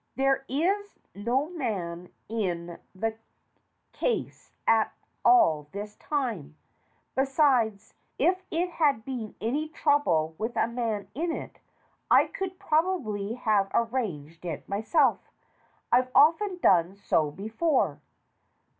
There is no man in the case at all this time. Besides, if it had been any trouble with a man in it I could probably have ar ranged it myself. I've often done so before."